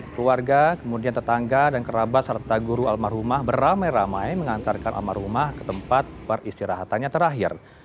keluarga kemudian tetangga dan kerabat serta guru almarhumah beramai ramai mengantarkan almarhumah ke tempat peristirahatannya terakhir